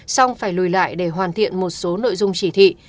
xong phải lùi lại để hoàn thiện một số nội dung chỉ thị